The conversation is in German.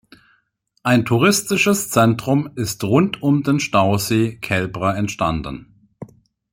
Ein touristisches Zentrum ist rund um den Stausee Kelbra entstanden.